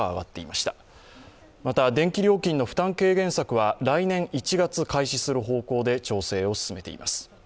また、電気料金の負担軽減策は来年１月開始する方向で調整を進めています。